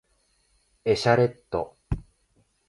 エシャレット